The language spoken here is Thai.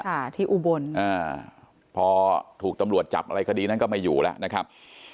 ค่ะที่อุบลอ่าพอถูกตำรวจจับอะไรคดีนั้นก็ไม่อยู่แล้วนะครับ